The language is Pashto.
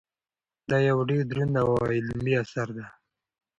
دا یو ډېر دروند او علمي اثر دی.